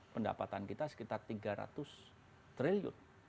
pendapatan kita sekitar tiga ratus triliun